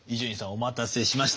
お待たせしました。